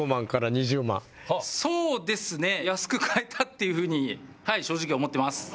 そうですね安く買えたっていうふうにはい正直思ってます